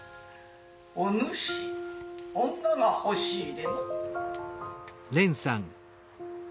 「おぬし女が欲しい」。